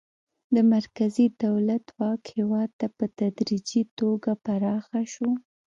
د مرکزي دولت واک هیواد ته په تدریجي توګه پراخه شو.